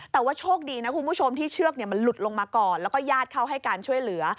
แต่ว่าโชคดีนะคุณผู้ชมที่เชือกมันหลุดลงมาก่อนแล้วก็ญาติเข้าให้การช่วยเหลือ